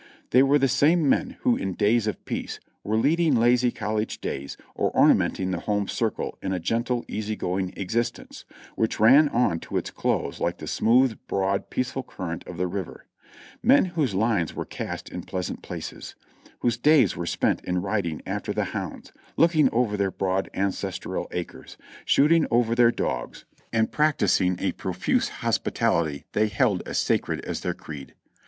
They were the same men who in days of peace were leading lazy college lives or ornament ing the home circle in a gentle, easy going existence, which ran on to its close like the smooth, broad, peaceful current of the river ; men whose lines were cast in pleasant places ; whose days were spent in riding after the hounds, looking over their broad ancestral acres, shooting over their dogs and practicing a profuse 420 JOHNNY REB AND EILEV YANK hospitality which they held as sacred as their creed.